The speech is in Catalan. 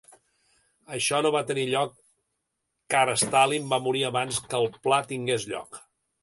Això no va tenir lloc car Stalin va morir abans que el pla tingués lloc.